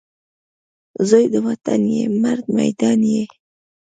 زوی د وطن یې ، مرد میدان یې